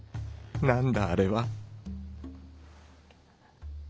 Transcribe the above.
何だあれは。